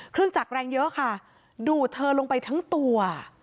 เครื่องจักรแรงเยอะค่ะดูดเธอลงไปทั้งตัว